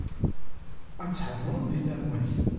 Ad tḥedreḍ i tarwa-k.